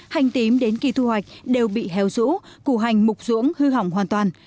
hành tím đến kỳ thu hoạch đều bị héo rũ củ hành mục ruộng hư hỏng hoàn toàn